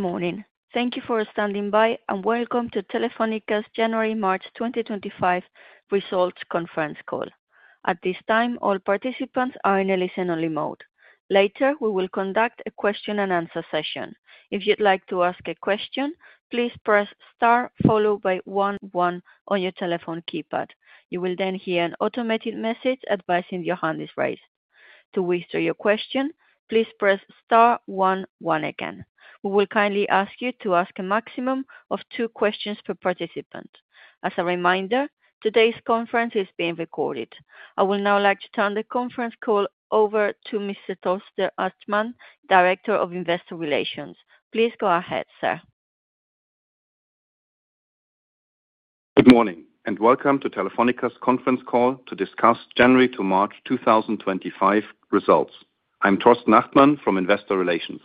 Good morning. Thank you for standing by and welcome to Telefónica's January-March 2025 results conference call. At this time, all participants are in a listen-only mode. Later, we will conduct a question-and-answer session. If you'd like to ask a question, please press star followed by one one on your telephone keypad. You will then hear an automated message advising your hand is raised. To withdraw your question, please press star one one again. We will kindly ask you to ask a maximum of two questions per participant. As a reminder, today's conference is being recorded. I would now like to turn the conference call over to Mr. Torsten Achtmann, Director of Investor Relations. Please go ahead, sir. Good morning and welcome to Telefónica's conference call to discuss January to March 2025 results. I'm Torsten Achtmann from Investor Relations.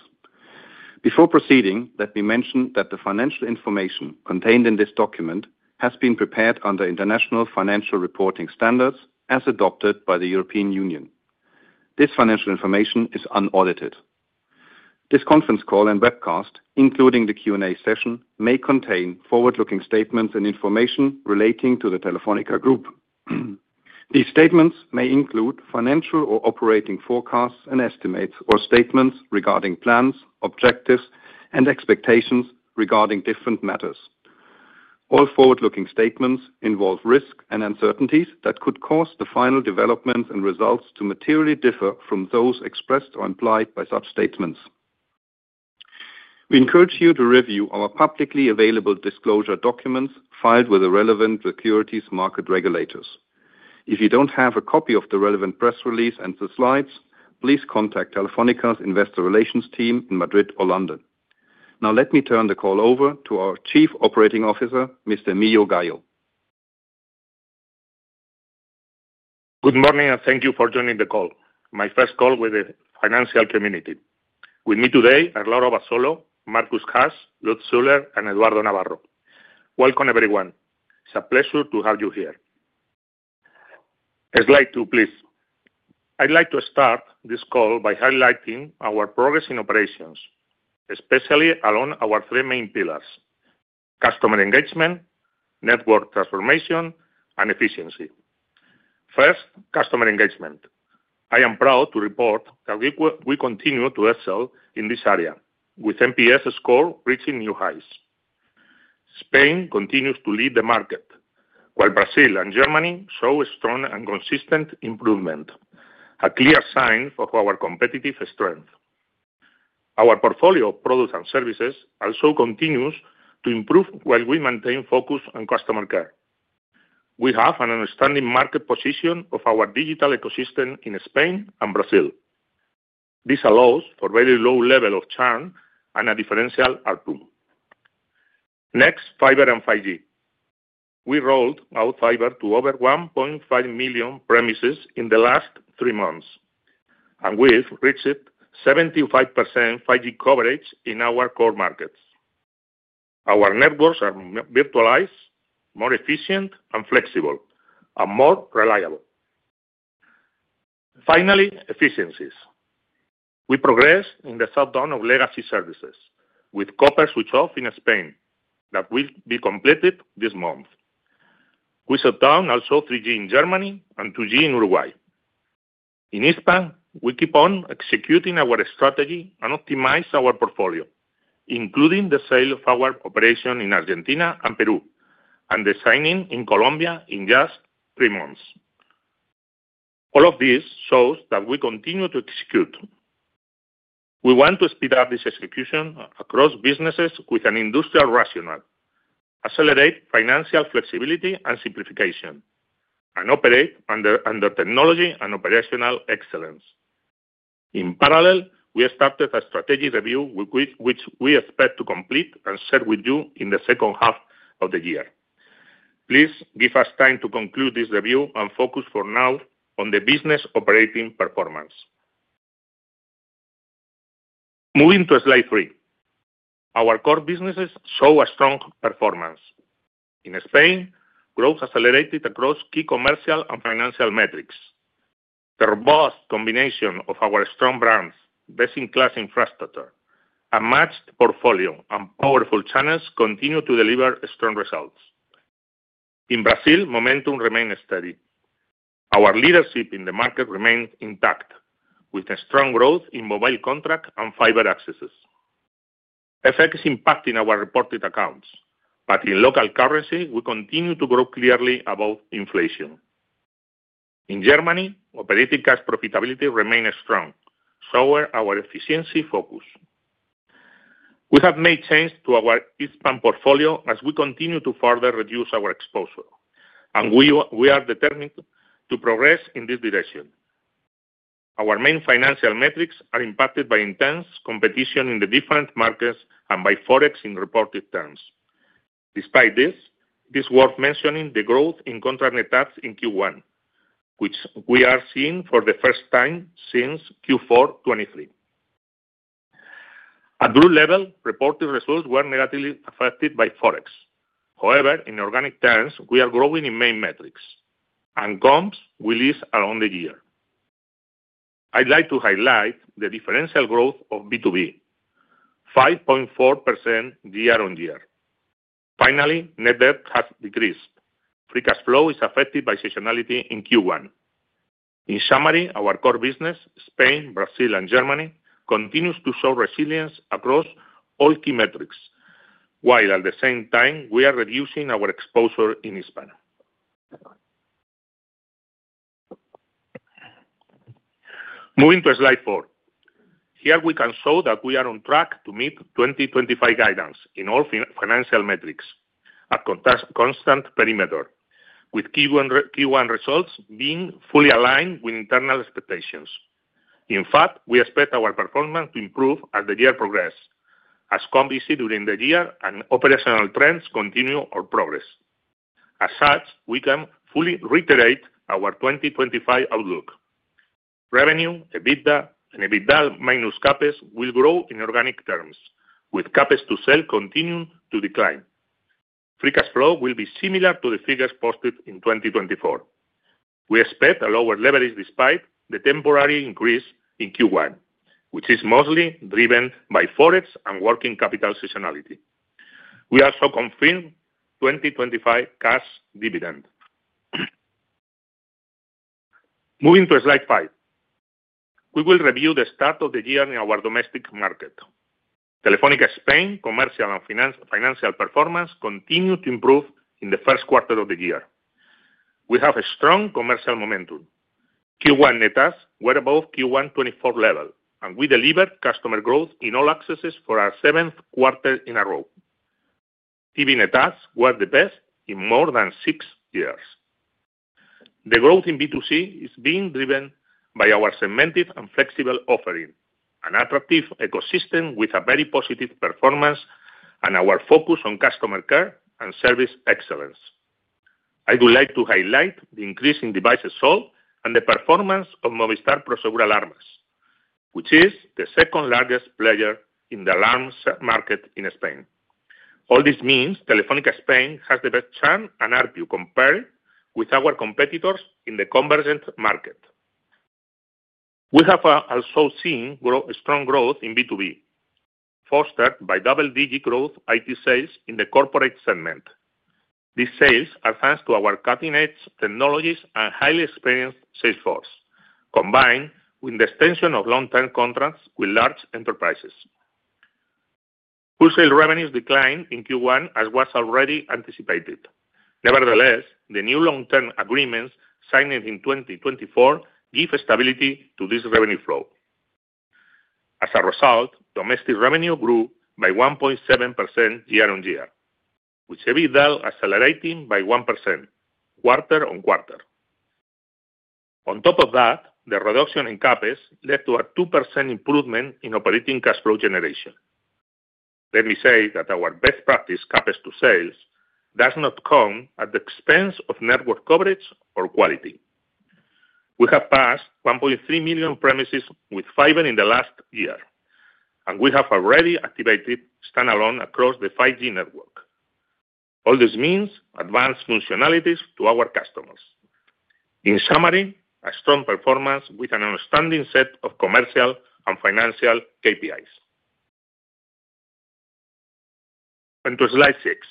Before proceeding, let me mention that the financial information contained in this document has been prepared under International Financial Reporting Standards as adopted by the European Union. This financial information is unaudited. This conference call and webcast, including the Q&A session, may contain forward-looking statements and information relating to the Telefónica Group. These statements may include financial or operating forecasts and estimates, or statements regarding plans, objectives, and expectations regarding different matters. All forward-looking statements involve risk and uncertainties that could cause the final developments and results to materially differ from those expressed or implied by such statements. We encourage you to review our publicly available disclosure documents filed with the relevant securities market regulators. If you do not have a copy of the relevant press release and the slides, please contact Telefónica's Investor Relations team in Madrid or London. Now, let me turn the call over to our Chief Operating Officer, Mr. Emilio Gayo. Good morning and thank you for joining the call. My first call with the financial community. With me today are Laura Abasolo, Markus Haas, Lutz Schüler, and Eduardo Navarro. Welcome, everyone. It's a pleasure to have you here. Slide two, please. I'd like to start this call by highlighting our progress in operations, especially along our three main pillars: customer engagement, network transformation, and efficiency. First, customer engagement. I am proud to report that we continue to excel in this area, with NPS scores reaching new highs. Spain continues to lead the market, while Brazil and Germany show a strong and consistent improvement, a clear sign of our competitive strength. Our portfolio of products and services also continues to improve while we maintain focus on customer care. We have an outstanding market position of our digital ecosystem in Spain and Brazil. This allows for a very low level of churn and a differential output. Next, Fiber and 5G. We rolled out Fiber to over 1.5 million premises in the last three months, and we've reached 75% 5G coverage in our core markets. Our networks are virtualized, more efficient, and flexible, and more reliable. Finally, efficiencies. We progressed in the shutdown of legacy services, with copper switch-off in Spain that will be completed this month. We shut down also 3G in Germany and 2G in Uruguay. In Hispam, we keep on executing our strategy and optimize our portfolio, including the sale of our operation in Argentina and Peru, and the signing in Colombia in just three months. All of this shows that we continue to execute. We want to speed up this execution across businesses with an industrial rationale, accelerate financial flexibility and simplification, and operate under technology and operational excellence. In parallel, we started a strategy review which we expect to complete and share with you in the second half of the year. Please give us time to conclude this review and focus for now on the business operating performance. Moving to slide three, our core businesses show a strong performance. In Spain, growth accelerated across key commercial and financial metrics. The robust combination of our strong brands, best-in-class infrastructure, a matched portfolio, and powerful channels continue to deliver strong results. In Brazil, momentum remained steady. Our leadership in the market remained intact, with strong growth in mobile contract and Fiber accesses. FX is impacting our reported accounts, but in local currency, we continue to grow clearly above inflation. In Germany, operating cash profitability remained strong, showing our efficiency focus. We have made changes to our Hispam portfolio as we continue to further reduce our exposure, and we are determined to progress in this direction. Our main financial metrics are impacted by intense competition in the different markets and by Forex in reported terms. Despite this, it is worth mentioning the growth in contract net assets in Q1, which we are seeing for the first time since Q4 2023. At root level, reported results were negatively affected by Forex. However, in organic terms, we are growing in main metrics, and comps we listed along the year. I'd like to highlight the differential growth of B2B: 5.4% year-on-year. Finally, net debt has decreased. Free cash flow is affected by seasonality in Q1. In summary, our core business, Spain, Brazil, and Germany, continues to show resilience across all key metrics, while at the same time, we are reducing our exposure in Hispam. Moving to slide four, here we can show that we are on track to meet 2025 guidance in all financial metrics at constant perimeter, with Q1 results being fully aligned with internal expectations. In fact, we expect our performance to improve as the year progresses, as comps exceed within the year and operational trends continue our progress. As such, we can fully reiterate our 2025 outlook. Revenue, EBITDA, and EBITDA-CapEx will grow in organic terms, with CapEx to sale continuing to decline. Free cash flow will be similar to the figures posted in 2024. We expect a lower leverage despite the temporary increase in Q1, which is mostly driven by Forex and working capital seasonality. We also confirm 2025 cash dividend. Moving to slide five, we will review the start of the year in our domestic market. Telefónica Spain's commercial and financial performance continued to improve in the first quarter of the year. We have a strong commercial momentum. Q1 net assets were above Q1 2024 level, and we delivered customer growth in all accesses for our seventh quarter in a row. TV net assets were the best in more than six years. The growth in B2C is being driven by our segmented and flexible offering, an attractive ecosystem with a very positive performance, and our focus on customer care and service excellence. I would like to highlight the increase in devices sold and the performance of Movistar Prosegur Alarmas, which is the second-largest player in the alarms market in Spain. All this means Telefónica Spain has the best churn and RPU compared with our competitors in the convergent market. We have also seen strong growth in B2B, fostered by double-digit growth IT sales in the corporate segment. These sales are thanks to our cutting-edge technologies and highly experienced sales force, combined with the extension of long-term contracts with large enterprises. Full-sale revenues declined in Q1, as was already anticipated. Nevertheless, the new long-term agreements signed in 2024 give stability to this revenue flow. As a result, domestic revenue grew by 1.7% year-on-year, with EBITDA accelerating by 1% quarter-on-quarter. On top of that, the reduction in CapEx led to a 2% improvement in operating cash flow generation. Let me say that our best practice CapEx to sales does not come at the expense of network coverage or quality. We have passed 1.3 million premises with Fiber in the last year, and we have already activated standalone across the 5G network. All this means advanced functionalities to our customers. In summary, a strong performance with an understanding set of commercial and financial KPIs. To slide six,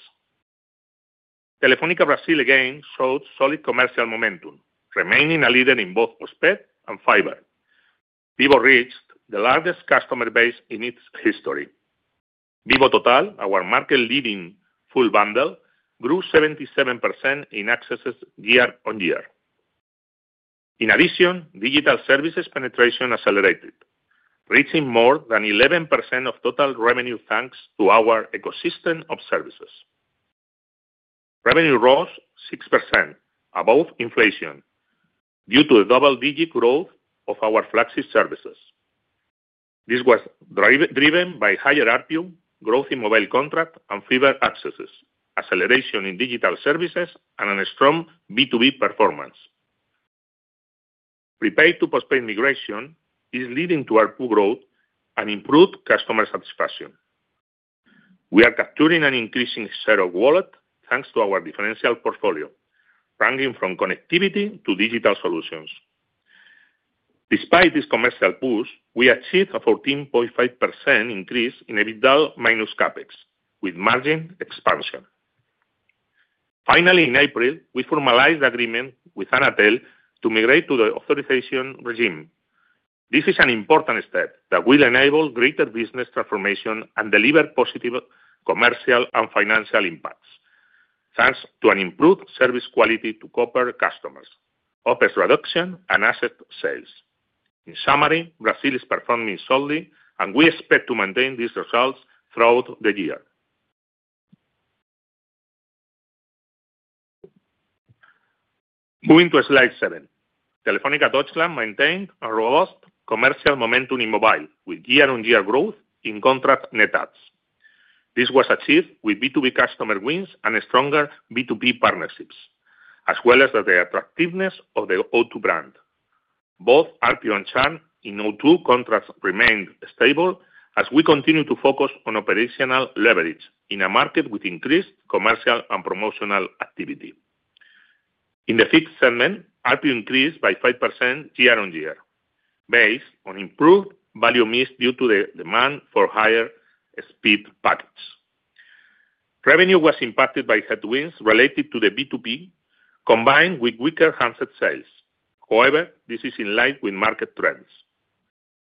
Telefónica Brasil again showed solid commercial momentum, remaining a leader in both OSPED and Fiber. Vivo reached the largest customer base in its history. Vivo Total, our market-leading full bundle, grew 77% in accesses year-on-year. In addition, digital services penetration accelerated, reaching more than 11% of total revenue thanks to our ecosystem of services. Revenue rose 6% above inflation due to the double-digit growth of our flagship services. This was driven by higher RPU, growth in mobile contract and Fiber accesses, acceleration in digital services, and a strong B2B performance. Prepaid to postpaid migration is leading to RPU growth and improved customer satisfaction. We are capturing an increasing share of wallet thanks to our differential portfolio, ranging from connectivity to digital solutions. Despite this commercial boost, we achieved a 14.5% increase in EBITDA-CapEx, with margin expansion. Finally, in April, we formalized the agreement with Anatel to migrate to the authorization regime. This is an important step that will enable greater business transformation and deliver positive commercial and financial impacts, thanks to an improved service quality to copper customers, OpEx reduction, and asset sales. In summary, Brazil is performing solidly, and we expect to maintain these results throughout the year. Moving to slide seven, Telefónica Deutschland maintained a robust commercial momentum in mobile with year-on-year growth in contract net assets. This was achieved with B2B customer wins and stronger B2B partnerships, as well as the attractiveness of the O2 brand. Both RPU and churn in O2 contracts remained stable as we continue to focus on operational leverage in a market with increased commercial and promotional activity. In the fifth segment, RPU increased by 5% year-on-year, based on improved value missed due to the demand for higher speed packets. Revenue was impacted by headwinds related to the B2B, combined with weaker handset sales. However, this is in line with market trends.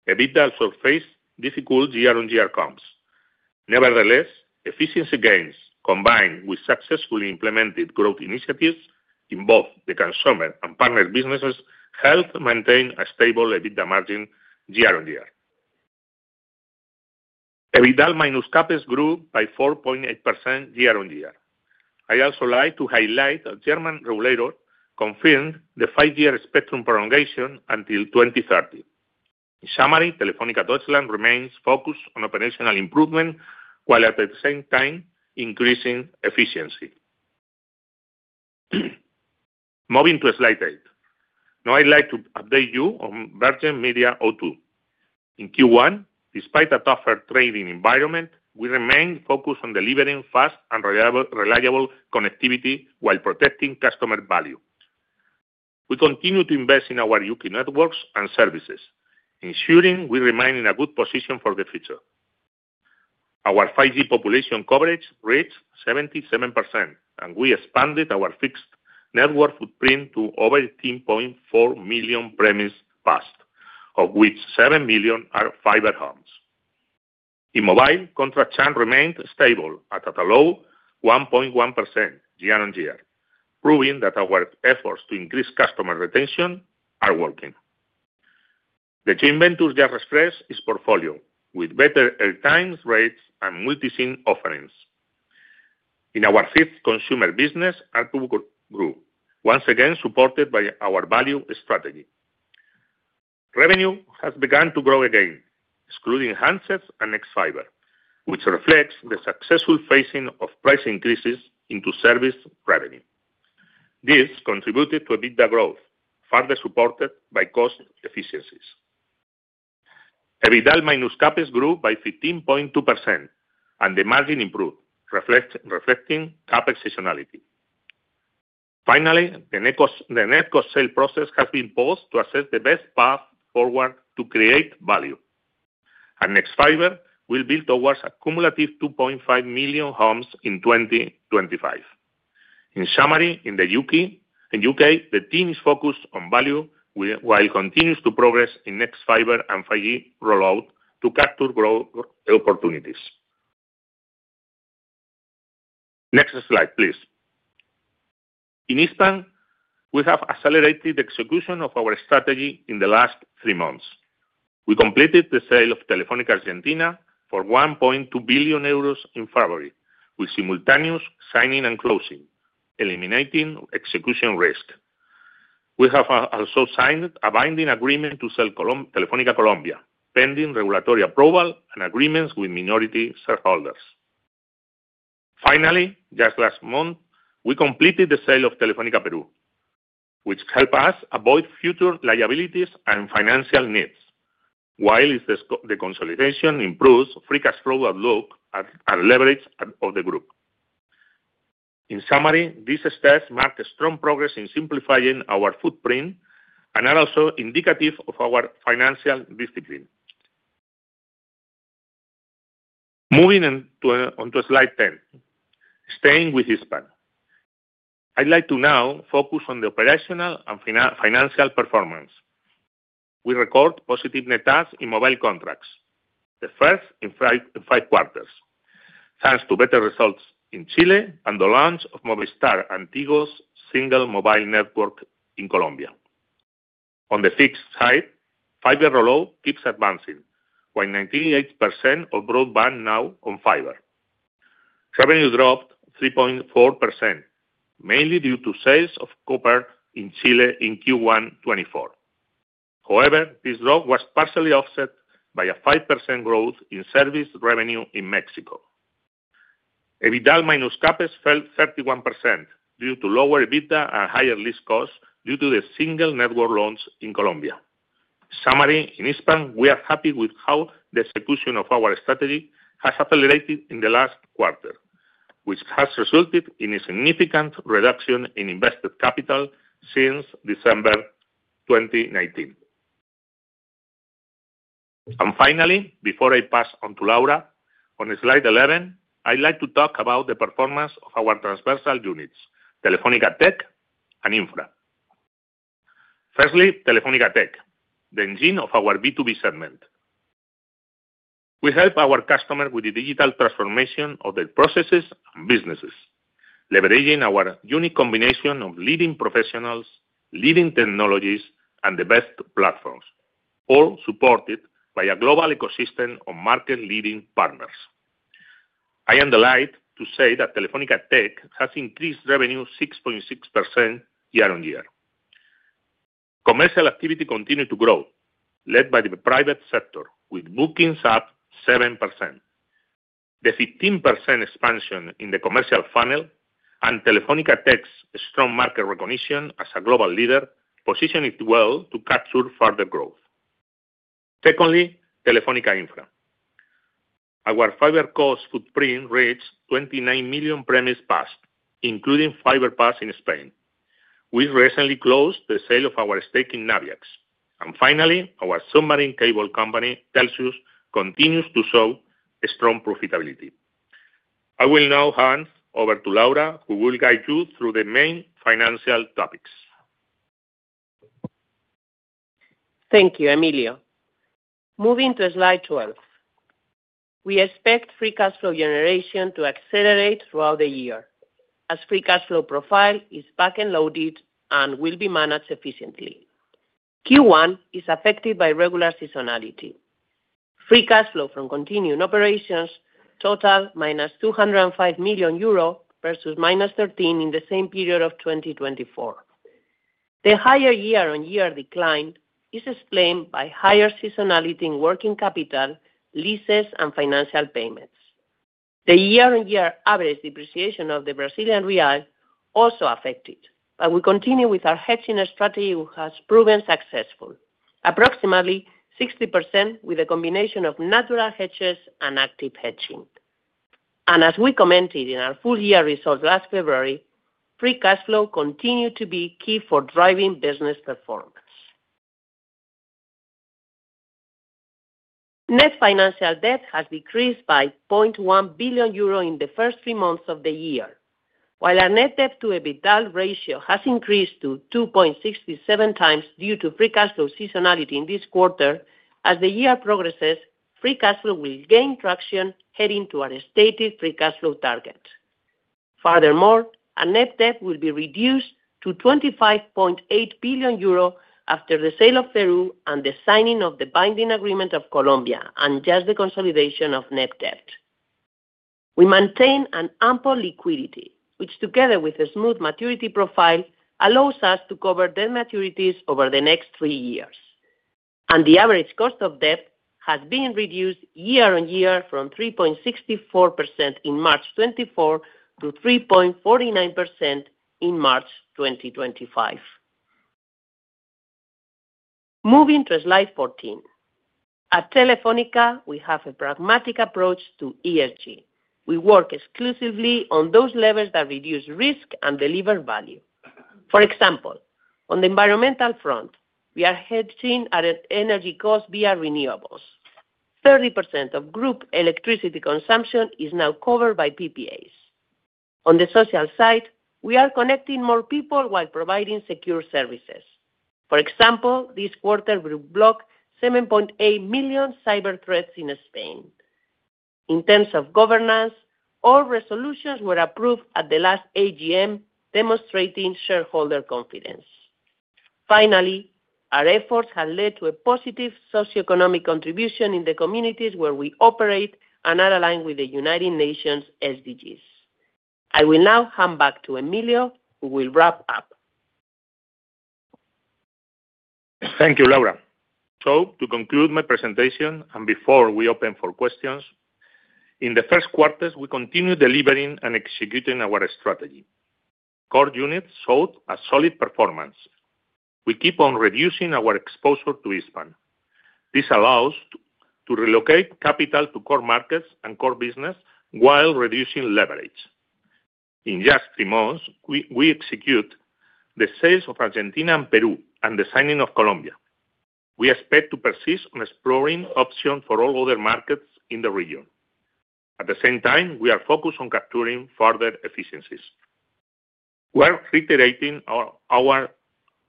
EBITDA also faced difficult year-on-year comps. Nevertheless, efficiency gains, combined with successfully implemented growth initiatives in both the consumer and partner businesses, helped maintain a stable EBITDA margin year-on-year. EBITDA-CapEx grew by 4.8% year-on-year. I'd also like to highlight that German regulator confirmed the five-year spectrum prolongation until 2030. In summary, Telefónica Deutschland remains focused on operational improvement while at the same time increasing efficiency. Moving to slide eight, now I'd like to update you on Virgin Media O2. In Q1, despite a tougher trading environment, we remained focused on delivering fast and reliable connectivity while protecting customer value. We continue to invest in our U.K. networks and services, ensuring we remain in a good position for the future. Our 5G population coverage reached 77%, and we expanded our fixed network footprint to over 18.4 million premises passed, of which 7 million are fiber hubs. In mobile, contract churn remained stable at a low 1.1% year-on-year, proving that our efforts to increase customer retention are working. The joint venture's portfolio, with better airtime rates and multisign offerings. In our fifth consumer business, ARPU grew, once again supported by our value strategy. Revenue has begun to grow again, excluding handsets and Ex-Fiber, which reflects the successful phasing of price increases into service revenue. This contributed to EBITDA growth, further supported by cost efficiencies. EBITDA-CapEx grew by 15.2%, and the margin improved, reflecting CapEx seasonality. Finally, the net cost sale process has been paused to assess the best path forward to create value. Ex-Fiber will build towards a cumulative 2.5 million homes in 2025. In summary, in the U.K., the team is focused on value while continuing to progress in Ex-Fiber and 5G rollout to capture growth opportunities. Next slide, please. In Hispam, we have accelerated the execution of our strategy in the last three months. We completed the sale of Telefónica Argentina for 1.2 billion euros in February, with simultaneous signing and closing, eliminating execution risk. We have also signed a binding agreement to sell Telefónica Colombia, pending regulatory approval and agreements with minority shareholders. Finally, just last month, we completed the sale of Telefónica Peru, which helped us avoid future liabilities and financial needs, while the consolidation improved free cash flow outlook and leverage of the group. In summary, these steps mark a strong progress in simplifying our footprint and are also indicative of our financial discipline. Moving on to slide 10, staying with Hispam, I'd like to now focus on the operational and financial performance. We record positive net adds in mobile contracts, the first in five quarters, thanks to better results in Chile and the launch of Movistar Antiguos single mobile network in Colombia. On the fixed side, Fiber rollout keeps advancing, with 98% of broadband now on Fiber. Revenue dropped 3.4%, mainly due to sales of copper in Chile in Q1 2024. However, this drop was partially offset by a 5% growth in service revenue in Mexico. EBITDA-CapEx fell 31% due to lower EBITDA and higher lease costs due to the single network loans in Colombia. In summary, in Hispam, we are happy with how the execution of our strategy has accelerated in the last quarter, which has resulted in a significant reduction in invested capital since December 2019. Finally, before I pass on to Laura, on slide 11, I would like to talk about the performance of our transversal units, Telefónica Tech and Infra. Firstly, Telefónica Tech, the engine of our B2B segment. We help our customers with the digital transformation of their processes and businesses, leveraging our unique combination of leading professionals, leading technologies, and the best platforms, all supported by a global ecosystem of market-leading partners. I am delighted to say that Telefónica Tech has increased revenue 6.6% year-on-year. Commercial activity continued to grow, led by the private sector, with bookings up 7%. The 15% expansion in the commercial funnel and Telefónica Tech's strong market recognition as a global leader position it well to capture further growth. Secondly, Telefónica Infra. Our Fiber cost footprint reached 29 million premises passed, including Fiber pass in Spain. We recently closed the sale of our stake in Nabiax. Finally, our submarine cable company, Telxius, continues to show strong profitability. I will now hand over to Laura, who will guide you through the main financial topics. Thank you, Emilio. Moving to slide 12, we expect free cash flow generation to accelerate throughout the year, as free cash flow profile is back-end loaded and will be managed efficiently. Q1 is affected by regular seasonality. Free cash flow from continuing operations totaled -205 million euro versus -13 million in the same period of 2024. The higher year-on-year decline is explained by higher seasonality in working capital, leases, and financial payments. The year-on-year average depreciation of the Brazilian real also affected, but we continue with our hedging strategy, which has proven successful, approximately 60% with a combination of natural hedges and active hedging. As we commented in our full-year results last February, free cash flow continued to be key for driving business performance. Net financial debt has decreased by 0.1 billion euro in the first three months of the year, while our net debt-to-EBITDA ratio has increased to 2.67 times due to free cash flow seasonality in this quarter. As the year progresses, free cash flow will gain traction heading to our stated free cash flow target. Furthermore, our net debt will be reduced to 25.8 billion euro after the sale of Peru and the signing of the binding agreement of Colombia and just the consolidation of net debt. We maintain an ample liquidity, which, together with a smooth maturity profile, allows us to cover debt maturities over the next three years. The average cost of debt has been reduced year-on-year from 3.64% in March 2024 to 3.49% in March 2025. Moving to slide 14, at Telefónica, we have a pragmatic approach to ESG. We work exclusively on those levels that reduce risk and deliver value. For example, on the environmental front, we are hedging at energy costs via renewables. 30% of group electricity consumption is now covered by PPAs. On the social side, we are connecting more people while providing secure services. For example, this quarter we blocked 7.8 million cyber threats in Spain. In terms of governance, all resolutions were approved at the last AGM, demonstrating shareholder confidence. Finally, our efforts have led to a positive socioeconomic contribution in the communities where we operate and are aligned with the United Nations SDGs. I will now hand back to Emilio, who will wrap up. Thank you, Laura. To conclude my presentation and before we open for questions, in the first quarter, we continue delivering and executing our strategy. Core units showed a solid performance. We keep on reducing our exposure to Hispam. This allows us to relocate capital to core markets and core business while reducing leverage. In just three months, we executed the sales of Argentina and Peru and the signing of Colombia. We expect to persist on exploring options for all other markets in the region. At the same time, we are focused on capturing further efficiencies. We are reiterating our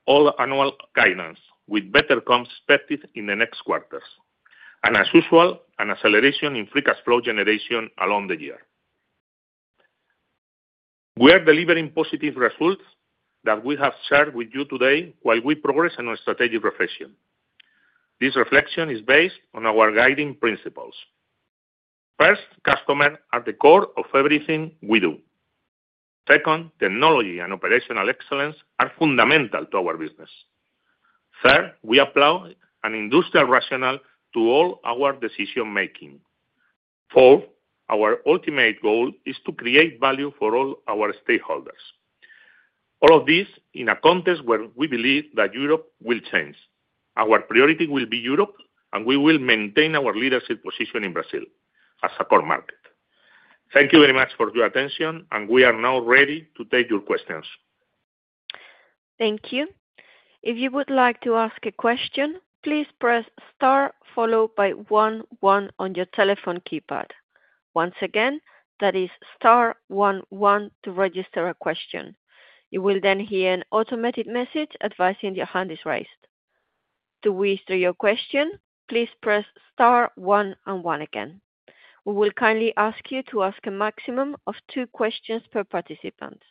all-annual guidance with better comps expected in the next quarters. As usual, an acceleration in free cash flow generation along the year. We are delivering positive results that we have shared with you today while we progress in our strategic reflection. This reflection is based on our guiding principles. First, customers are the core of everything we do. Second, technology and operational excellence are fundamental to our business. Third, we apply an industrial rationale to all our decision-making. Fourth, our ultimate goal is to create value for all our stakeholders. All of this in a context where we believe that Europe will change. Our priority will be Europe, and we will maintain our leadership position in Brazil as a core market. Thank you very much for your attention, and we are now ready to take your questions. Thank you. If you would like to ask a question, please press Star followed by one one on your telephone keypad. Once again, that is Star one one to register a question. You will then hear an automated message advising your hand is raised. To withdraw your question, please press Star one one again. We will kindly ask you to ask a maximum of two questions per participant.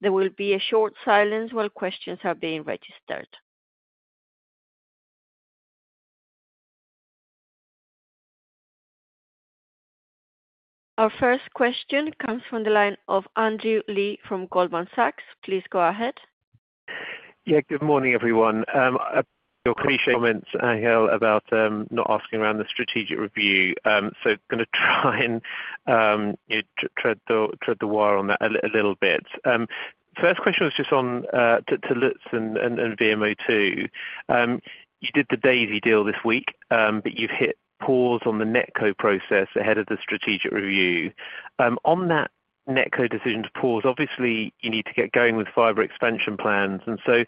There will be a short silence while questions are being registered. Our first question comes from the line of Andrew Lee from Goldman Sachs. Please go ahead. Yeah, good morning, everyone. Your cliché comments I about them not asking around the strategic review. I am going to try and tread the wire on that a little bit. First question was just on to Lutz and VMO2. You did the Daisy deal this week, but you have hit pause on the NetCo process ahead of the strategic review. On that NetCo decision to pause, obviously, you need to get going with Fiber expansion plans. The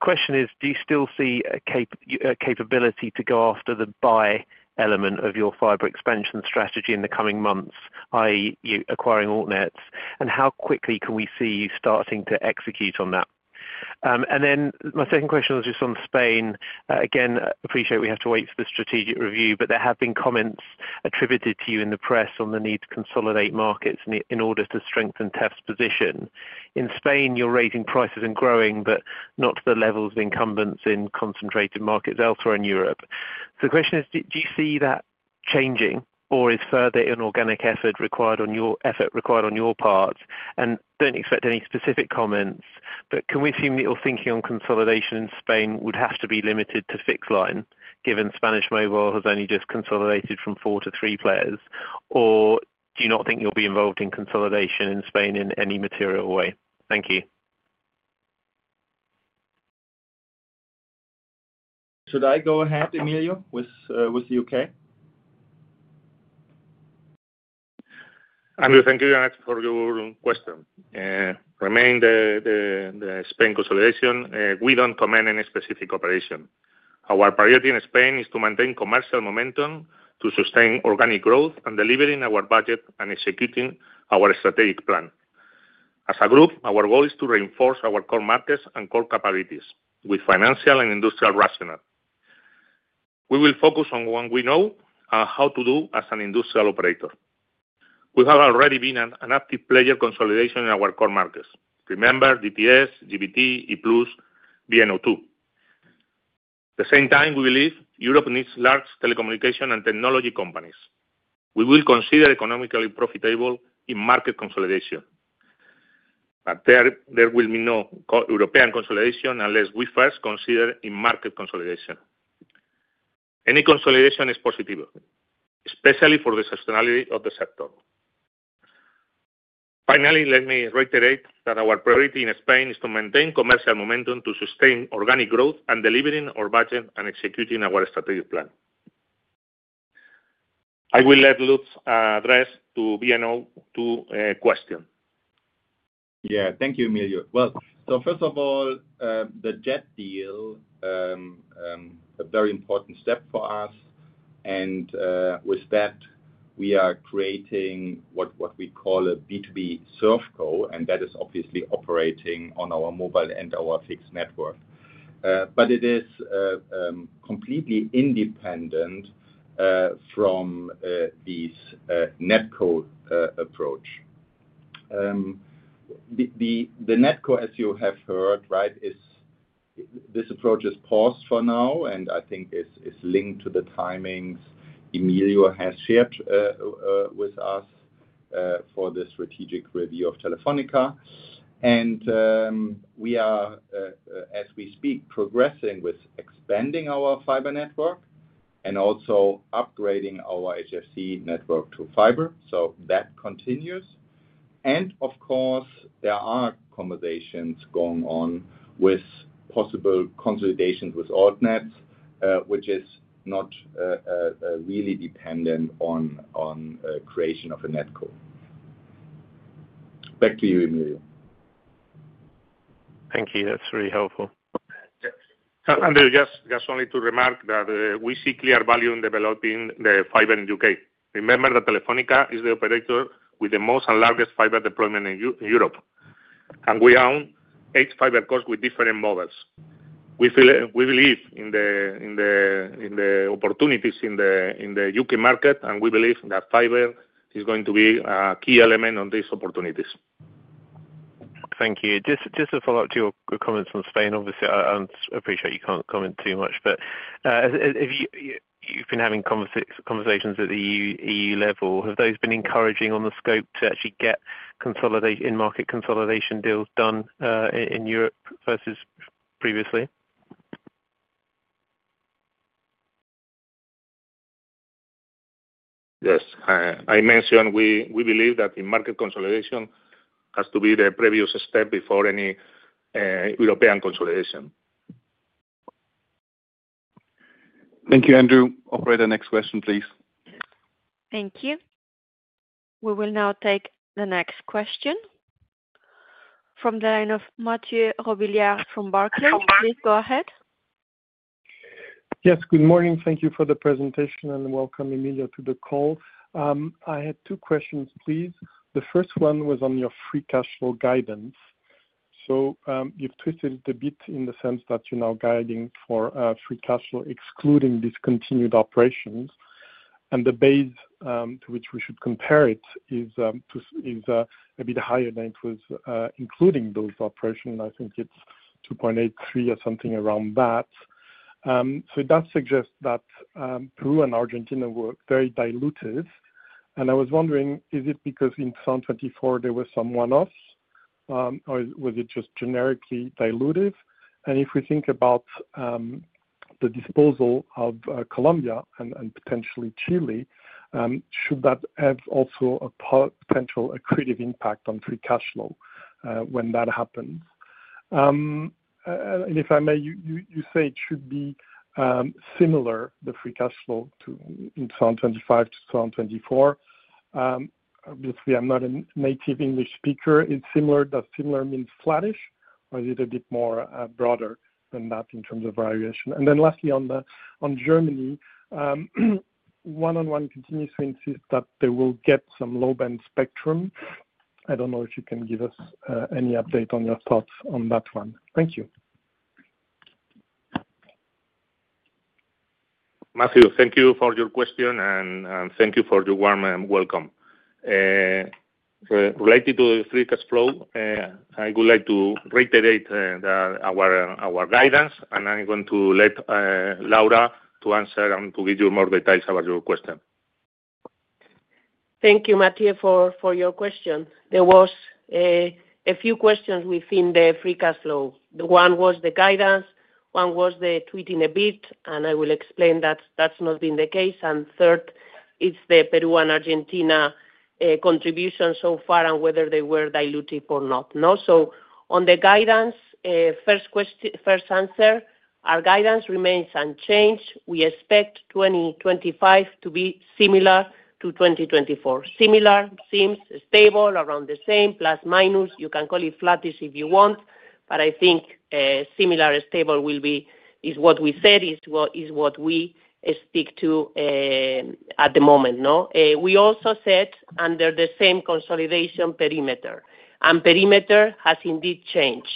question is, do you still see a capability to go after the buy element of your Fiber expansion strategy in the coming months, i.e., acquiring AltNet? How quickly can we see you starting to execute on that? My second question was just on Spain. Again, appreciate we have to wait for the strategic review, but there have been comments attributed to you in the press on the need to consolidate markets in order to strengthen Telefónica's position. In Spain, you're raising prices and growing, but not to the levels of incumbents in concentrated markets elsewhere in Europe. The question is, do you see that changing, or is further inorganic effort required on your part? Do not expect any specific comments, but can we assume that your thinking on consolidation in Spain would have to be limited to fixed line, given Spanish mobile has only just consolidated from four to three players? Or do you not think you will be involved in consolidation in Spain in any material way? Thank you. Should I go ahead, Emilio, with the U.K.? Thank you for your question. Regarding the Spain consolidation, we do not comment on any specific operation. Our priority in Spain is to maintain commercial momentum, to sustain organic growth, and deliver our budget and execute our strategic plan. As a group, our goal is to reinforce our core markets and core capabilities with financial and industrial rationale. We will focus on what we know and how to do as an industrial operator. We have already been an active player in consolidation in our core markets. Remember DTS, GBT, E-Plus, VMO2. At the same time, we believe Europe needs large telecommunication and technology companies. We will consider economically profitable in-market consolidation. There will be no European consolidation unless we first consider in-market consolidation. Any consolidation is positive, especially for the sustainability of the sector. Finally, let me reiterate that our priority in Spain is to maintain commercial momentum to sustain organic growth and delivering our budget and executing our strategic plan. I will let Lutz address the VMO2 question. Thank you, Emilio. First of all, the JET deal is a very important step for us. With that, we are creating what we call a B2B Servco, and that is obviously operating on our mobile and our fixed network. It is completely independent from this NetCo approach. The NetCo, as you have heard, right, this approach is paused for now, and I think is linked to the timings Emilio has shared with us for the strategic review of Telefónica. We are, as we speak, progressing with expanding our Fiber network and also upgrading our HFC network to Fiber sothat continues and Of course, there are conversations going on with possible consolidations with AltNets, which is not really dependent on creation of a NetCo. Back to you, Emilio. Thank you. That's really helpful. Just only to remark that we see clear value in developing the Fiber in the U.K. Remember that Telefónica is the operator with the most and largest Fiber deployment in Europe and We own eight Fiber cores with different models. We believe in the opportunities in the U.K. market, and we believe that Fiber is going to be a key element of these opportunities. Thank you. Just to follow up to your comments on Spain, obviously, I appreciate you can't comment too much, but you've been having conversations at the EU level. Have those been encouraging on the scope to actually get market consolidation deals done in Europe versus previously? Yes. I mentioned we believe that market consolidation has to be the previous step before any European consolidation. Thank you, Andrew. Operator, next question, please. Thank you. We will now take the next question from the line of Mathieu Robillard from Barclays. Please go ahead. Yes, good morning. Thank you for the presentation and welcome, Emilio, to the call. I had two questions, please. The first one was on your free cash flow guidance. You've twisted it a bit in the sense that you're now guiding for free cash flow excluding discontinued operations. The base to which we should compare it is a bit higher than it was including those operations. I think it's 2.83 billion or something around that. It does suggest that Peru and Argentina were very diluted. I was wondering, is it because in 2024 there were some one-offs, or was it just generically diluted? If we think about the disposal of Colombia and potentially Chile, should that also have a potential accretive impact on free cash flow when that happens? If I may, you say it should be similar, the free cash flow in 2025 to 2024. Obviously, I'm not a native English speaker. Does similar mean flattish, or is it a bit more broad than that in terms of variation? Lastly, on Germany, one-on-one continues to insist that they will get some low-band spectrum. I do not know if you can give us any update on your thoughts on that one. Thank you. Mathieu, thank you for your question, and thank you for your warm welcome. Related to the free cash flow, I would like to reiterate our guidance, and I am going to let Laura answer and give you more details about your question. Thank you, Mathieu, for your question. There were a few questions within the free cash flow. One was the guidance, one was the tweaking a bit, and I will explain that that has not been the case. Third, it is the Peru and Argentina contribution so far and whether they were diluted or not. On the guidance, first answer, our guidance remains unchanged. We expect 2025 to be similar to 2024. Similar seems stable, around the same, ±. You can call it flattish if you want, but I think similar and stable is what we said is what we stick to at the moment. We also said under the same consolidation perimeter. And perimeter has indeed changed.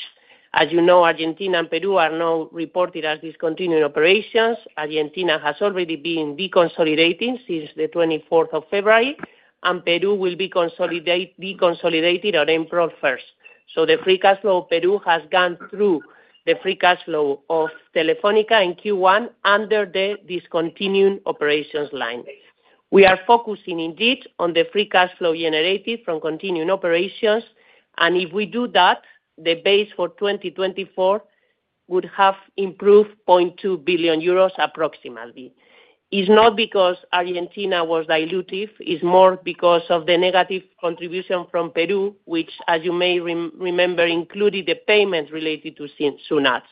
As you know, Argentina and Peru are now reported as discontinuing operations. Argentina has already been deconsolidating since the 24th of February, and Peru will be consolidating on April 1st. So the free cash flow of Peru has gone through the free cash flow of Telefónica in Q1 under the discontinuing operations line. We are focusing indeed on the free cash flow generated from continuing operations. If we do that, the base for 2024 would have improved 0.2 billion euros approximately. It's not because Argentina was dilutive. It's more because of the negative contribution from Peru, which, as you may remember, included the payments related to SUNAT.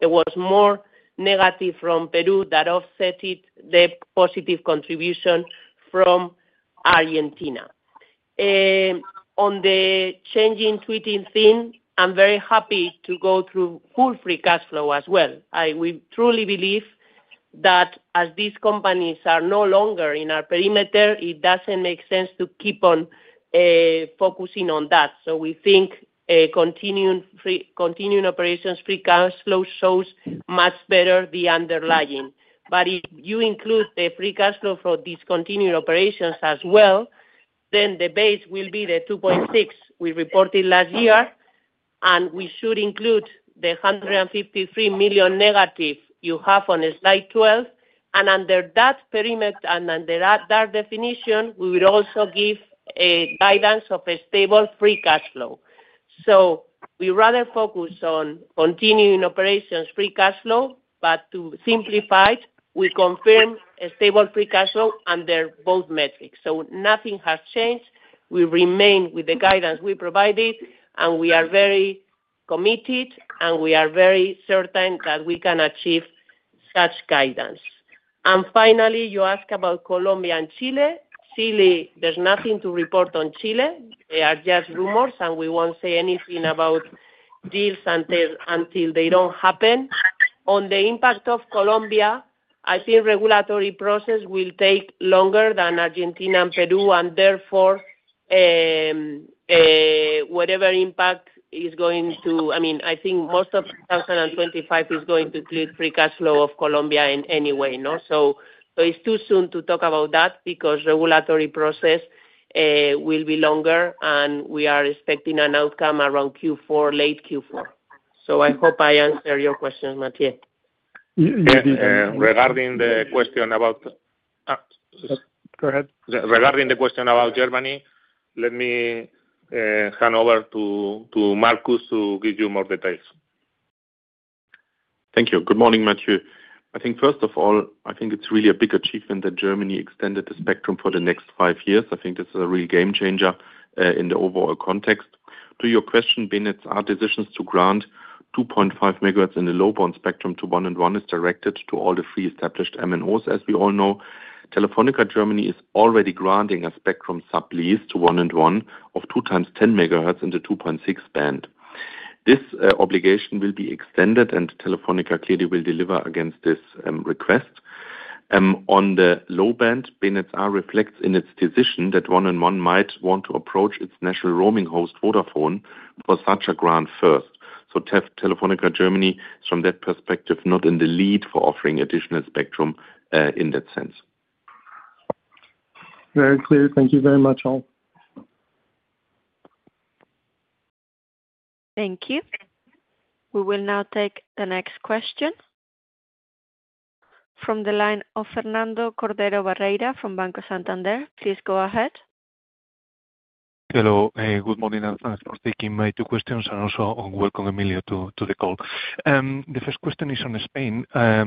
There was more negative from Peru that offset the positive contribution from Argentina. On the changing tweeting thing, I'm very happy to go through full free cash flow as well. We truly believe that as these companies are no longer in our perimeter, it doesn't make sense to keep on focusing on that. We think continuing operations free cash flow shows much better the underlying. If you include the free cash flow for discontinued operations as well, the base will be the 2.6 billion we reported last year. We should include the 153 million - you have on slide 12. Under that perimeter and under that definition, we would also give guidance of a stable free cash flow. We rather focus on continuing operations free cash flow, but to simplify it, we confirm a stable free cash flow under both metrics. Nothing has changed. We remain with the guidance we provided, and we are very committed, and we are very certain that we can achieve such guidance. Finally, you ask about Colombia and Chile. Chile, there is nothing to report on Chile. They are just rumors, and we will not say anything about deals until they happen. On the impact of Colombia, I think regulatory process will take longer than Argentina and Peru, and therefore, whatever impact is going to, I mean, I think most of 2025 is going to include free cash flow of Colombia in any way. It is too soon to talk about that because regulatory process will be longer, and we are expecting an outcome around Q4, late Q4. I hope I answered your question, Mathieu. Regarding the question about—go ahead. Regarding the question about Germany, let me hand over to Markus to give you more details. Thank you. Good morning, Mathieu. I think first of all, it's really a big achievement that Germany extended the spectrum for the next five years. I think this is a real game changer in the overall context. To your question, Bennett, our decisions to grant 2.5 MHz in the low-band spectrum to 1&1 is directed to all the three established MNOs, as we all know. Telefónica Deutschland is already granting a spectrum sub-lease to 1&1 of 2 times 10 MHz in the 2.6 band. This obligation will be extended, and Telefónica clearly will deliver against this request. On the low-band, Bennett's R reflects in its decision that one-and-one might want to approach its national roaming host, Vodafone, for such a grant first. So Telefónica Germany, from that perspective, not in the lead for offering additional spectrum in that sense. Very clear. Thank you very much, all. Thank you. We will now take the next question. From the line of Fernando Cordero Barreira from Banco Santander, please go ahead. Hello. Good morning [ For taking my two questions, and also welcome, Emilio, to the call. The first question is on Spain. As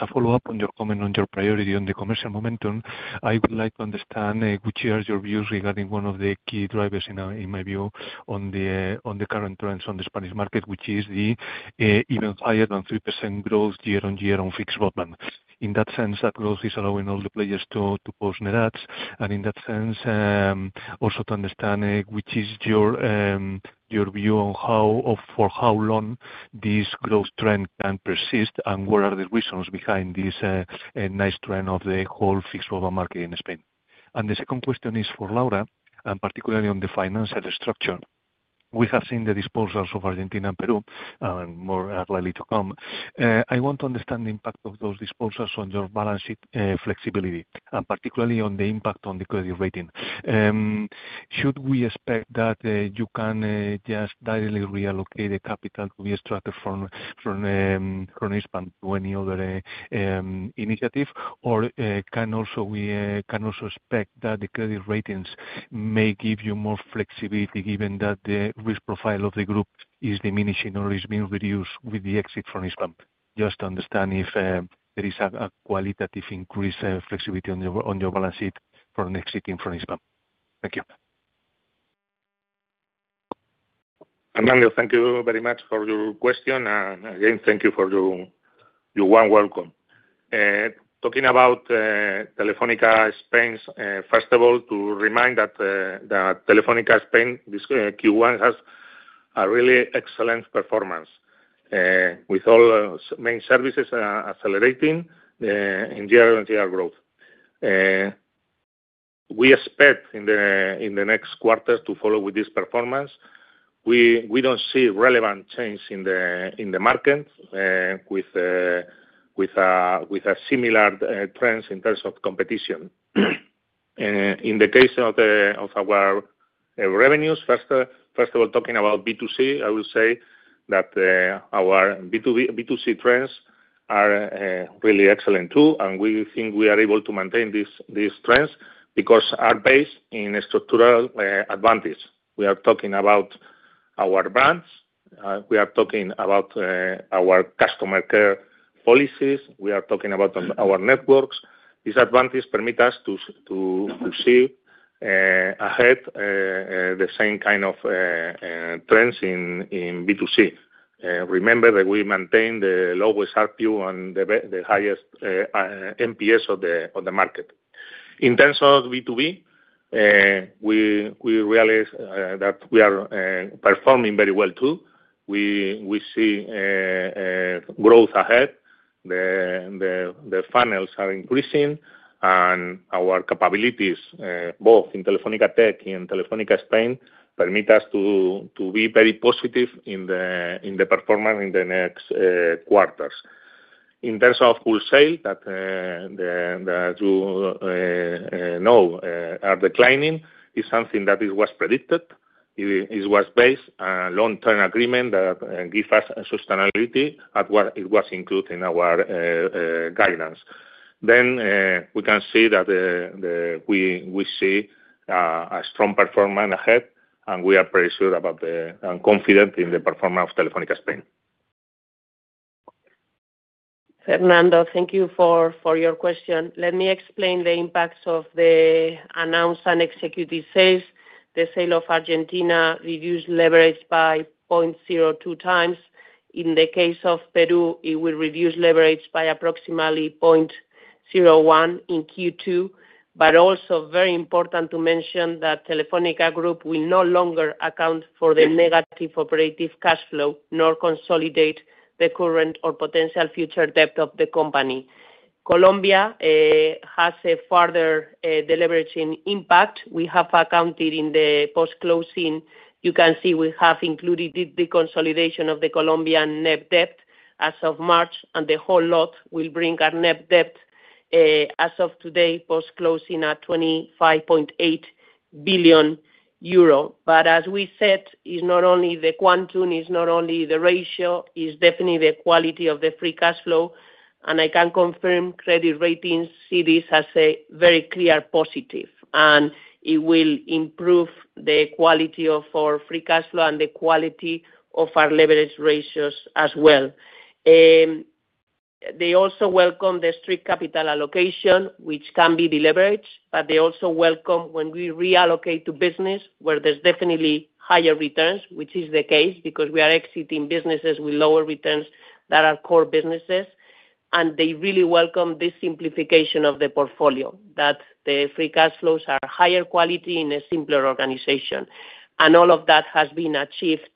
a follow-up on your comment on your priority on the commercial momentum, I would like to understand which are your views regarding one of the key drivers, in my view, on the current trends on the Spanish market, which is the even higher than 3% growth year on year on fixed roadmap. In that sense, that growth is allowing all the players to post net adds. In that sense, also to understand which is your view on for how long this growth trend can persist and what are the reasons behind this nice trend of the whole fixed roadmap market in Spain. The second question is for Laura, and particularly on the financial structure. We have seen the disposals of Argentina and Peru, and more are likely to come. I want to understand the impact of those disposals on your balance sheet flexibility, and particularly on the impact on the credit rating. Should we expect that you can just directly reallocate the capital to be extracted from Hispam to any other initiative, or can we also expect that the credit ratings may give you more flexibility given that the risk profile of the group is diminishing or is being reduced with the exit from Hispam? Just to understand if there is a qualitative increase in flexibility on your balance sheet for an exiting from Hispam. Thank you. Fernando, thank you very much for your question. Thank you for your warm welcome. Talking about Telefónica Spain, first of all, to remind that Telefónica Spain Q1 has a really excellent performance with all main services accelerating in year-on-year growth. We expect in the next quarter to follow with this performance. We do not see relevant change in the market with similar trends in terms of competition. In the case of our revenues, first of all, talking about B2C, I will say that our B2C trends are really excellent too, and we think we are able to maintain these trends because our base is in structural advantage. We are talking about our brands. We are talking about our customer care policies. We are talking about our networks. This advantage permits us to see ahead the same kind of trends in B2C. Remember that we maintain the lowest RPU and the highest NPS of the market. In terms of B2B, we realize that we are performing very well too. We see growth ahead. The funnels are increasing, and our capabilities, both in Telefónica Tech and Telefónica Spain, permit us to be very positive in the performance in the next quarters. In terms of wholesale, that you know are declining, it's something that it was predicted. It was based on a long-term agreement that gives us sustainability at what it was included in our guidance. We can see that we see a strong performance ahead, and we are very sure about and confident in the performance of Telefónica Spain. Fernando, thank you for your question. Let me explain the impacts of the announced and executed sales. The sale of Argentina reduced leverage by 0.02 times. In the case of Peru, it will reduce leverage by approximately 0.01 in Q2. Also, very important to mention that Telefónica Group will no longer account for the negative operative cash flow, nor consolidate the current or potential future debt of the company. Colombia has a further deleveraging impact. We have accounted in the post-closing. You can see we have included the consolidation of the Colombian net debt as of March, and the whole lot will bring our net debt as of today, post-closing, at 25.8 billion euro. As we said, it's not only the quantum, it's not only the ratio, it's definitely the quality of the free cash flow. I can confirm credit ratings see this as a very clear positive, and it will improve the quality of our free cash flow and the quality of our leverage ratios as well. They also welcome the strict capital allocation, which can be deliberated, but they also welcome when we reallocate to business where there's definitely higher returns, which is the case because we are exiting businesses with lower returns that are core businesses. They really welcome this simplification of the portfolio, that the free cash flows are higher quality in a simpler organization. All of that has been achieved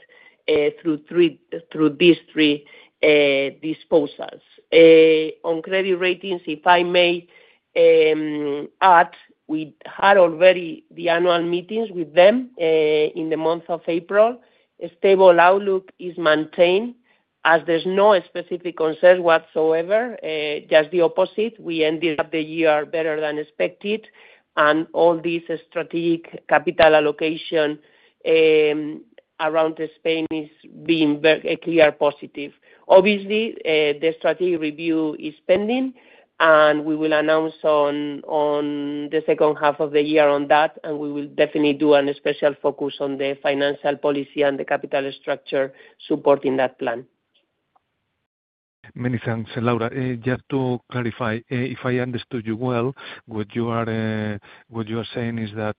through these three disposals. On credit ratings, if I may add, we had already the annual meetings with them in the month of April. Stable outlook is maintained as there are no specific concerns whatsoever, just the opposite. We ended up the year better than expected, and all this strategic capital allocation around Spain is being a clear positive. Obviously, the strategy review is pending, and we will announce on the second half of the year on that, and we will definitely do a special focus on the financial policy and the capital structure supporting that plan. Many thanks. Laura, just to clarify, if I understood you well, what you are saying is that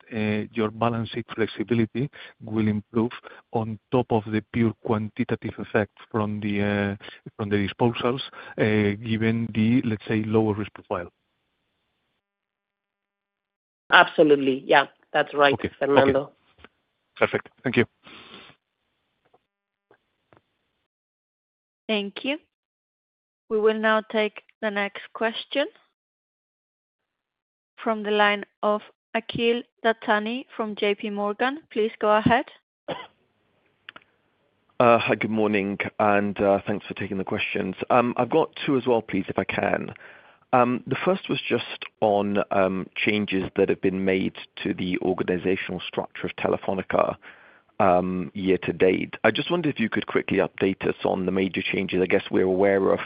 your balance sheet flexibility will improve on top of the pure quantitative effect from the disposals, given the, let's say, lower risk profile. Absolutely. Yeah, that's right, Fernando. Perfect. Thank you. Thank you. We will now take the next question from the line of Akhil Dattani from JP Morgan. Please go ahead. Hi, good morning, and thanks for taking the questions. I've got two as well, please, if I can. The first was just on changes that have been made to the organizational structure of Telefónica year to date. I just wondered if you could quickly update us on the major changes. I guess we're aware of,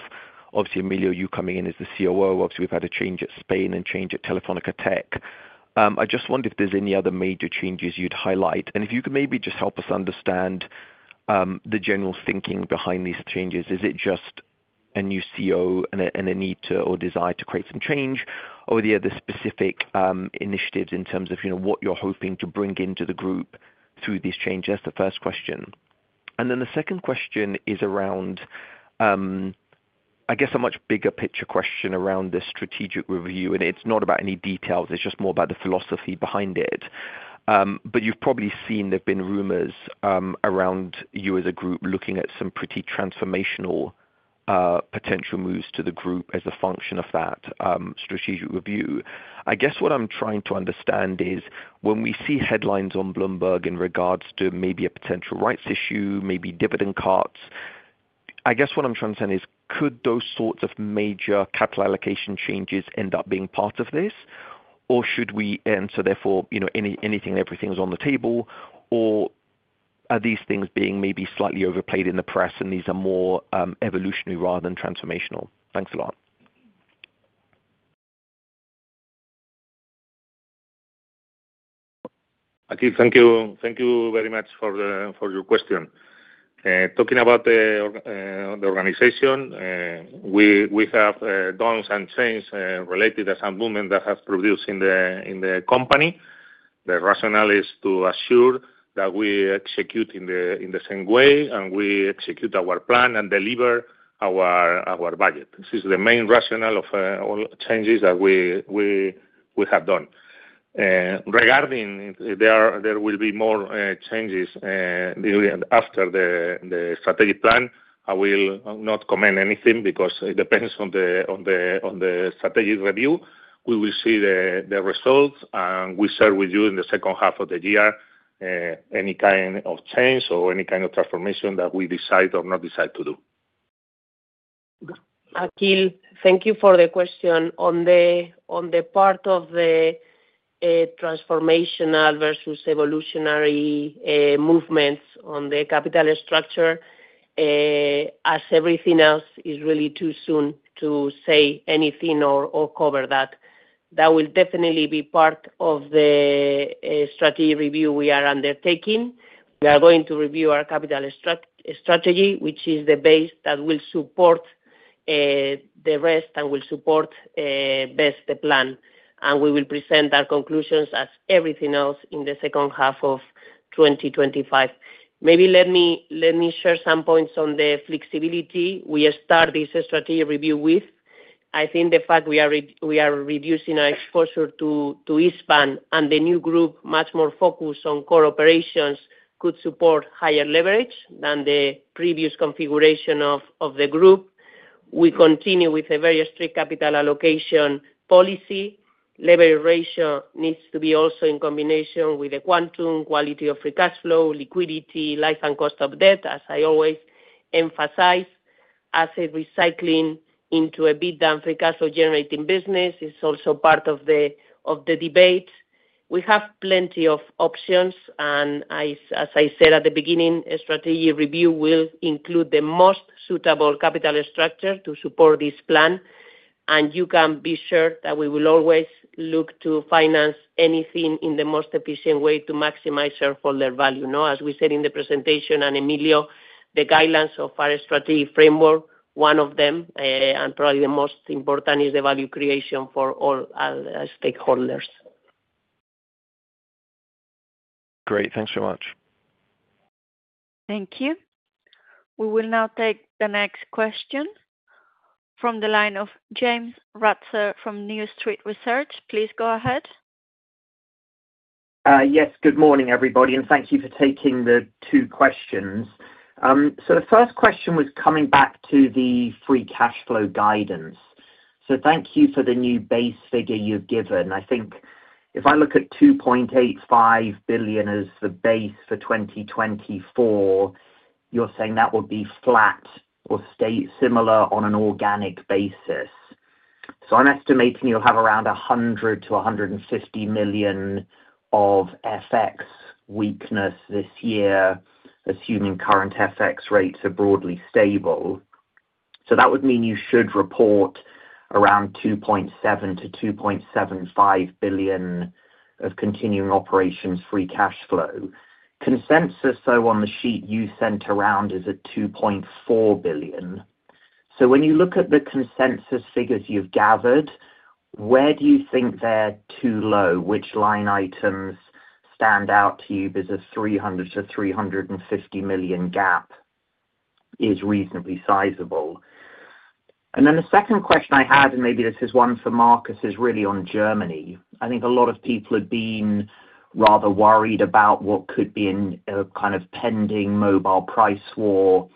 obviously, Emilio, you coming in as the COO. Obviously, we've had a change at Spain and a change at Telefónica Tech. I just wondered if there's any other major changes you'd highlight. If you could maybe just help us understand the general thinking behind these changes. Is it just a new COO and a need or desire to create some change, or are there other specific initiatives in terms of what you're hoping to bring into the group through these changes? That's the first question. The second question is around, I guess, a much bigger picture question around the strategic review. It's not about any details. It's just more about the philosophy behind it. You've probably seen there've been rumors around you as a group looking at some pretty transformational potential moves to the group as a function of that strategic review. I guess what I'm trying to understand is when we see headlines on Bloomberg in regards to maybe a potential rights issue, maybe dividend cuts, I guess what I'm trying to understand is could those sorts of major capital allocation changes end up being part of this, or should we answer therefore anything and everything is on the table, or are these things being maybe slightly overplayed in the press and these are more evolutionary rather than transformational? Thanks a lot. Thank you. Thank you very much for your question. Talking about the organization, we have done some change related to some movement that has produced in the company. The rationale is to assure that we execute in the same way and we execute our plan and deliver our budget. This is the main rationale of all changes that we have done. Regarding there will be more changes after the strategic plan, I will not comment on anything because it depends on the strategic review. We will see the results, and we share with you in the second half of the year any kind of change or any kind of transformation that we decide or not decide to do. Akhil, thank you for the question. On the part of the transformational versus evolutionary movements on the capital structure, as everything else, it's really too soon to say anything or cover that. That will definitely be part of the strategy review we are undertaking. We are going to review our capital strategy, which is the base that will support the rest and will support best the plan. We will present our conclusions as everything else in the second half of 2025. Maybe let me share some points on the flexibility we start this strategy review with. I think the fact we are reducing our exposure to Hispam and the new group, much more focused on core operations, could support higher leverage than the previous configuration of the group. We continue with a very strict capital allocation policy. Leverage ratio needs to be also in combination with the quantum, quality of free cash flow, liquidity, life, and cost of debt, as I always emphasize. Asset recycling into a bid and free cash flow generating business is also part of the debate. We have plenty of options, and as I said at the beginning, a strategy review will include the most suitable capital structure to support this plan. You can be sure that we will always look to finance anything in the most efficient way to maximize shareholder value. As we said in the presentation, and Emilio, the guidelines of our strategy framework, one of them, and probably the most important, is the value creation for all stakeholders. Great. Thanks so much. Thank you. We will now take the next question from the line of James Ratzer from New Street Research. Please go ahead. Yes. Good morning, everybody, and thank you for taking the two questions. The first question was coming back to the free cash flow guidance. Thank you for the new base figure you've given. I think if I look at 2.85 billion as the base for 2024, you're saying that would be flat or stay similar on an organic basis. I'm estimating you'll have around 100-150 million of FX weakness this year, assuming current FX rates are broadly stable. That would mean you should report around 2.7-2.75 billion of continuing operations free cash flow. Consensus, though, on the sheet you sent around is at 2.4 billion. When you look at the consensus figures you've gathered, where do you think they're too low? Which line items stand out to you as a 300-350 million gap is reasonably sizable? The second question I had, and maybe this is one for Markus, is really on Germany. I think a lot of people have been rather worried about what could be in a kind of pending mobile price war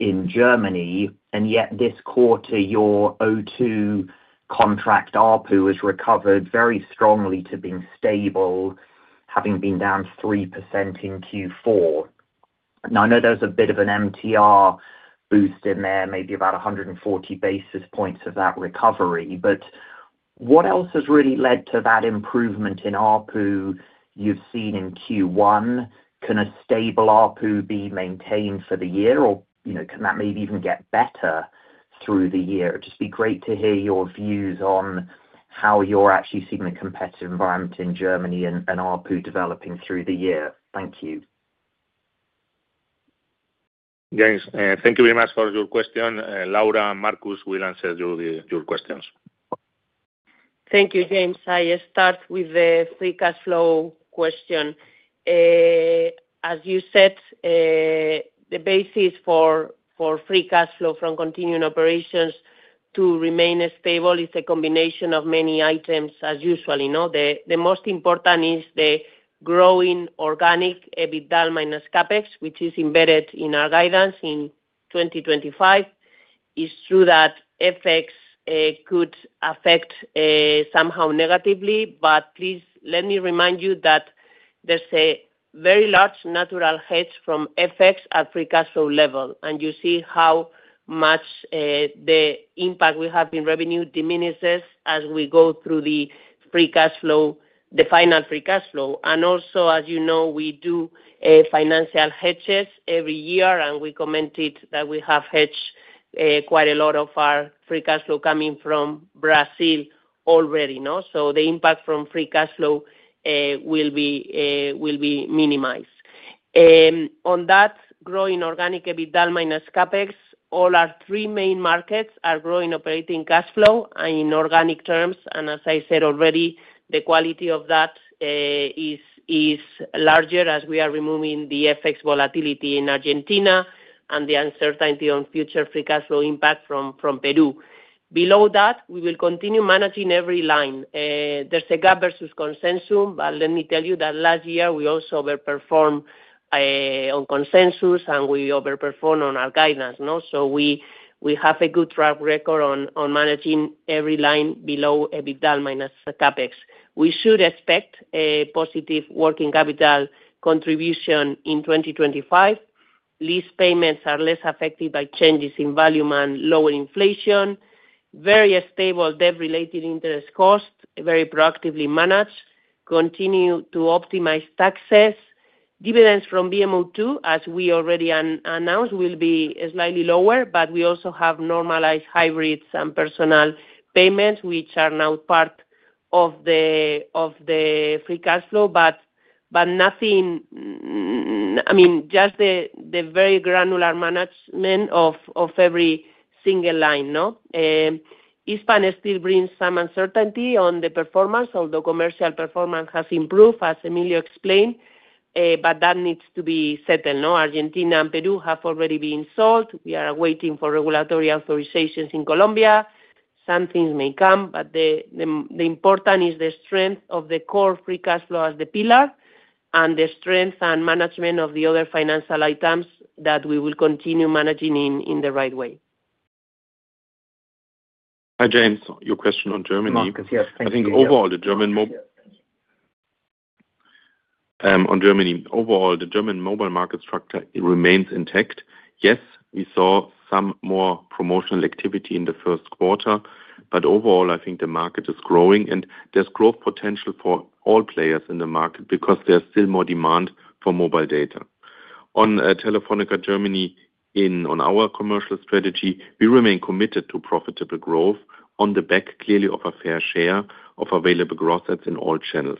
in Germany. Yet this quarter, your O2 contract ARPU has recovered very strongly to being stable, having been down 3% in Q4. I know there's a bit of an MTR boost in there, maybe about 140 basis points of that recovery. What else has really led to that improvement in ARPU you've seen in Q1? Can a stable ARPU be maintained for the year, or can that maybe even get better through the year? It'd just be great to hear your views on how you're actually seeing the competitive environment in Germany and ARPU developing through the year. Thank you. James, thank you very much for your question. Laura and Marcus will answer your questions. Thank you, James. I start with the free cash flow question. As you said, the basis for free cash flow from continuing operations to remain stable is a combination of many items, as usual. The most important is the growing organic EBITDA-CapEx, which is embedded in our guidance in 2025. It's true that FX could affect somehow negatively, but please let me remind you that there's a very large natural hedge from FX at free cash flow level. You see how much the impact we have in revenue diminishes as we go through the free cash flow, the final free cash flow. Also, as you know, we do financial hedges every year, and we commented that we have hedged quite a lot of our free cash flow coming from Brazil already. The impact from free cash flow will be minimized. On that, growing organic EBITDA-CapEx, all our three main markets are growing operating cash flow in organic terms. As I said already, the quality of that is larger as we are removing the FX volatility in Argentina and the uncertainty on future free cash flow impact from Peru. Below that, we will continue managing every line. There is a gap versus consensus, but let me tell you that last year we also overperformed on consensus, and we overperformed on our guidance. We have a good track record on managing every line below EBITDA-CapEx. We should expect a positive working capital contribution in 2025. Lease payments are less affected by changes in value and lower inflation. Very stable debt-related interest costs, very proactively managed. Continue to optimize taxes. Dividends from VMO2, as we already announced, will be slightly lower, but we also have normalized hybrids and personal payments, which are now part of the free cash flow, but nothing, I mean, just the very granular management of every single line and Hispam still brings some uncertainty on the performance, although commercial performance has improved, as Emilio explained, but that needs to be settled. Argentina and Peru have already been sold. We are waiting for regulatory authorizations in Colombia. Some things may come, but the important is the strength of the core free cash flow as the pillar and the strength and management of the other financial items that we will continue managing in the right way. Hi, James. Your question on Germany. Marcus, yes. Thank you. I think overall, the German mobile market structure remains intact. Yes, we saw some more promotional activity in the first quarter, but overall, I think the market is growing, and there's growth potential for all players in the market because there's still more demand for mobile data. On Telefónica Germany, in our commercial strategy, we remain committed to profitable growth on the back clearly of a fair share of available gross sets in all channels.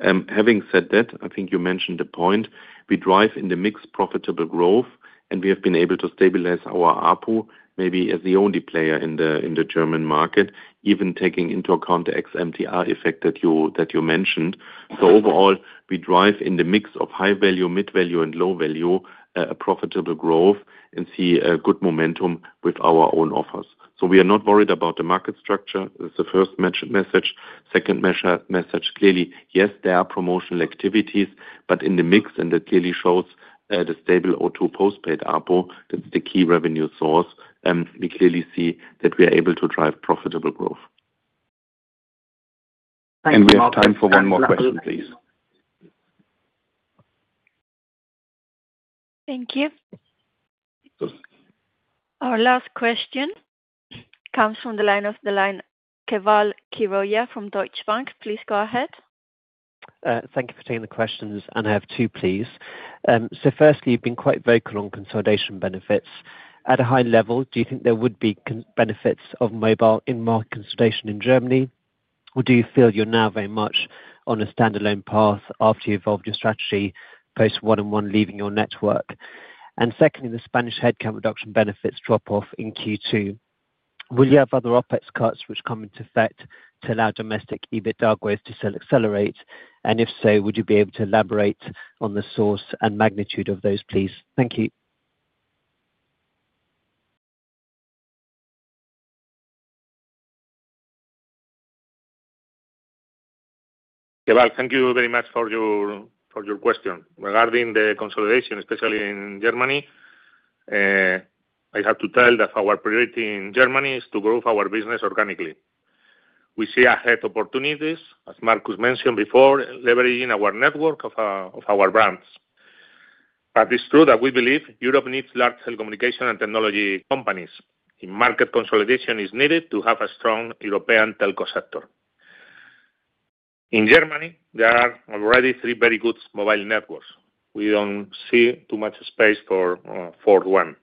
Having said that, I think you mentioned the point. We drive in the mix profitable growth, and we have been able to stabilize our ARPU, maybe as the only player in the German market, even taking into account the ex-MTR effect that you mentioned. Overall, we drive in the mix of high value, mid value, and low value a profitable growth and see a good momentum with our own offers. We are not worried about the market structure. That is the first message. Second message, clearly, yes, there are promotional activities, but in the mix, and that clearly shows the stable O2 postpaid ARPU, that is the key revenue source. We clearly see that we are able to drive profitable growth. We have time for one more question, please. Thank you. Our last question comes from the line of Keval Khiroya from Deutsche Bank. Please go ahead. Thank you for taking the questions.I have two, please. Firstly, you've been quite vocal on consolidation benefits. At a high level, do you think there would be benefits of mobile in-market consolidation in Germany, or do you feel you're now very much on a standalone path after you evolved your strategy post one-on-one leaving your network? Secondly, the Spanish headcount reduction benefits drop off in Q2. Will you have other OPEX cuts which come into effect to allow domestic EBITDA growth to still accelerate? If so, would you be able to elaborate on the source and magnitude of those, please? Thank you. Keval, thank you very much for your question. Regarding the consolidation, especially in Germany, I have to tell that our priority in Germany is to grow our business organically. We see ahead opportunities, as Marcus mentioned before, leveraging our network of our brands. It is true that we believe Europe needs large telecommunication and technology companies. Market consolidation is needed to have a strong European telco sector. In Germany, there are already three very good mobile networks. We do not see too much space for one.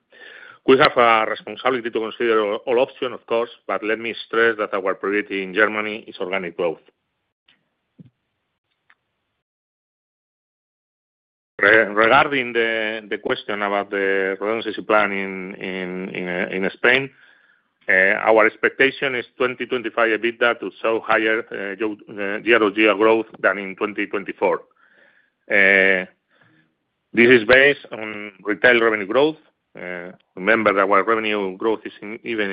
We have a responsibility to consider all options, of course, but let me stress that our priority in Germany is organic growth. Regarding the question about the relevancy plan in Spain, our expectation is 2025 EBITDA to show higher year-on-year growth than in 2024. This is based on retail revenue growth. Remember that our revenue growth is, even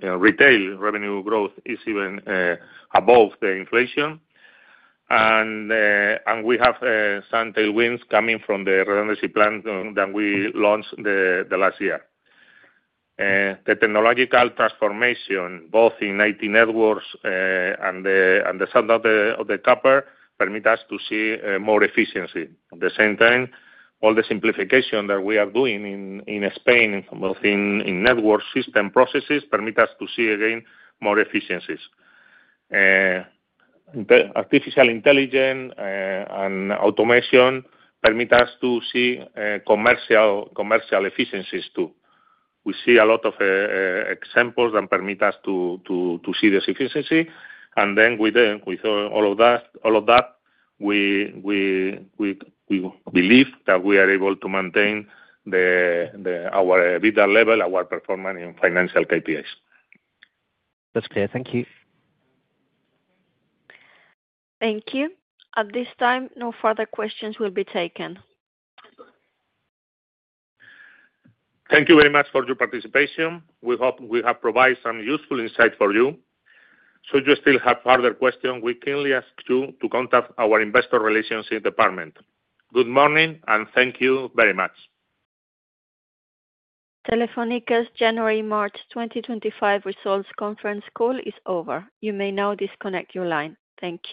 in retail revenue growth, even above the inflation. We have some tailwinds coming from the relevancy plan that we launched last year. The technological transformation, both in IT networks and the switch off of the copper, permits us to see more efficiency. At the same time, all the simplification that we are doing in Spain, both in network system processes, permits us to see again more efficiencies. Artificial intelligence and automation permit us to see commercial efficiencies too. We see a lot of examples that permit us to see this efficiency. With all of that, we believe that we are able to maintain our EBITDA level, our performance in financial KPIs. That is clear. Thank you. Thank you. At this time, no further questions will be taken. Thank you very much for your participation. We hope we have provided some useful insight for you. Should you still have further questions, we kindly ask you to contact our investor relations department. Good morning, and thank you very much. Telefónica's January-March 2025 results conference call is over. You may now disconnect your line. Thank you.